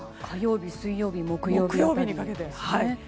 火曜日、水曜日木曜日辺りですね。